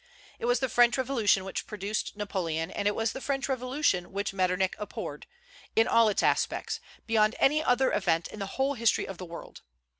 It was the French Revolution which produced Napoleon, and it was the French Revolution which Metternich abhorred, in all its aspects, beyond any other event in the whole history of the world.